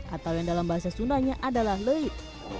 atau yang dalam bahasa sundanya adalah leid